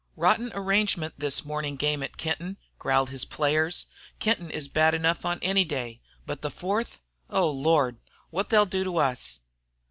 "Rotten arrangement, this mornin' game at Kenton," growled his players. "Kenton is bad enough on any day. But the Fourth! Oh, Lord! What they'll do to us!"